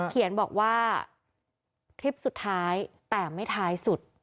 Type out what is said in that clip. เขียนบอกว่าคลิปสุดท้ายแต่ไม่ท้ายสุด